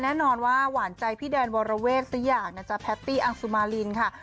แน่นอนว่าหวานใจพี่แดนวรเวทสักอย่างนะจ๊ะแพตตี้อังสุมารินค่ะ